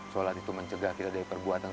sholat itu mencegah kita dari perbuatan